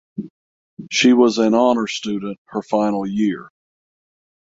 She was an Honor Student her final year.